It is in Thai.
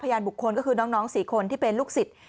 พยานบุคคลก็คือน้อง๔คนที่เป็นลูกศิษย์